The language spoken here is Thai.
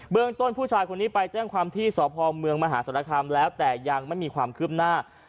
ต้นผู้ชายคนนี้ไปแจ้งความที่สพเมืองมหาศาลคามแล้วแต่ยังไม่มีความคืบหน้า